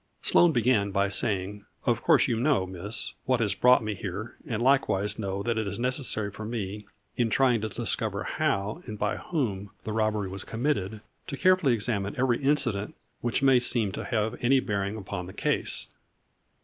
Sloane began by saying :" Of course you know, Miss, what has brought me here, and likewise know that it is necessary for me, in trying to discover how, and by whom the robbery was committed, to carefully examine every incident which may seem to have any bearing upon the case."